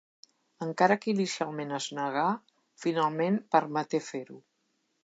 Encara que inicialment es negà, finalment permeté fer-ho.